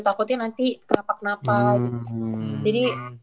takutnya nanti kenapa kenapa gitu jadi